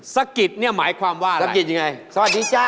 สกิรกิจนี่หมายความว่าอะไรสวัสดีจ้ะสกิรกิจนี่ไง